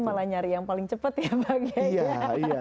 malah nyari yang paling cepat ya pak iyay